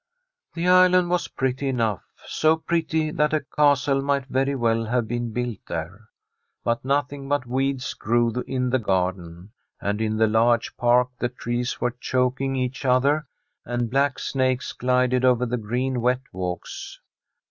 The island was pretty enough, so pretty that a castle might very well have been built there. But nothing but weeds grew in the garden, and in the large park the trees were choking each other, and black snakes glided over the green, wet walks.